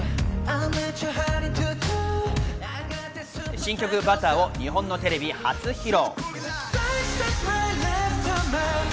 新曲『Ｂｕｔｔｅｒ』を日本のテレビ初披露。